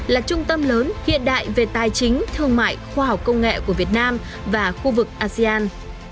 là trung tâm lớn hiện đại về tài chính thương mại khoa học công nghệ của việt nam và khu vực asean